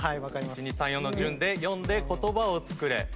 １２３４の順で読んで言葉を作れ。